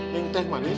neng teh manis